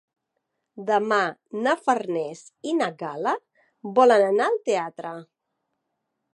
Demà na Farners i na Gal·la volen anar al teatre.